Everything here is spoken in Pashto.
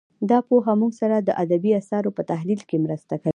دا پوهه موږ سره د ادبي اثارو په تحلیل کې مرسته کوي